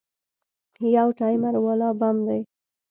يو ټايمر والا بم دى.